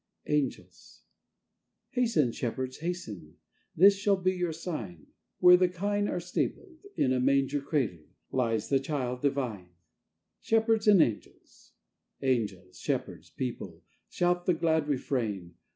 (Angels)Hasten, Shepherds, hasten, This shall be your sign; Where the kine are stabled, In a manger cradledLies the Child Divine.(Shepherds and Angels)Angels, Shepherds, People, Shout the glad refrain!